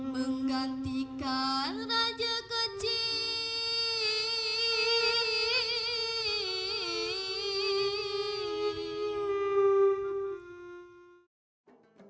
menggantikan raja ke enam siak